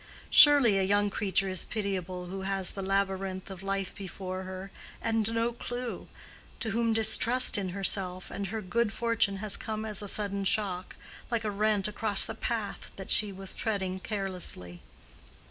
Surely a young creature is pitiable who has the labyrinth of life before her and no clue—to whom distrust in herself and her good fortune has come as a sudden shock, like a rent across the path that she was treading carelessly.